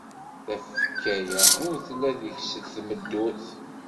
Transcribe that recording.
Tafekka-a ur telli deg-s tmeddurt.